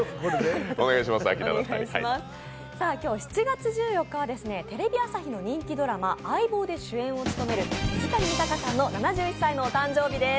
今日７月１４日はテレビ朝日の人気ドラマ、「相棒」で主演を務める水谷豊さんの７１歳のお誕生日です。